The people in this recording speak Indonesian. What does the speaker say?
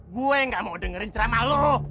gue gak mau dengerin ceramah lo